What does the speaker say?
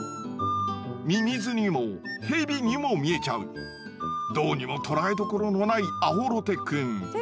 ミミズにもヘビにも見えちゃうどうにも捉えどころのないアホロテくん。